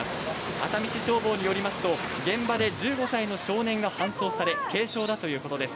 熱海市消防によりますと、現場で１５歳の少年が搬送され、軽傷だということです。